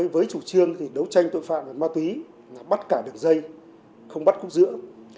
với chủ trương đấu tranh tội phạm về ma túy bắt cả đường dây không bắt khúc giữa